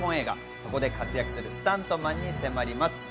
そこで活躍するスタントマンに迫ります。